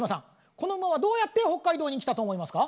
この馬はどうやって北海道に来たと思いますか？